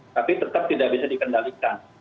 tapi tetap tidak bisa dikendalikan